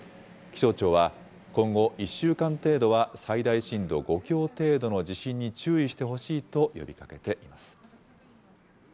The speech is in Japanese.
気象庁は、今後１週間程度は最大震度５強程度の地震に注意してほしいと呼びかけています。